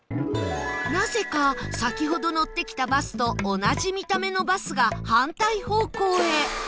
なぜか先ほど乗ってきたバスと同じ見た目のバスが反対方向へ